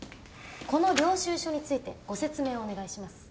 この領収書についてご説明をお願いします。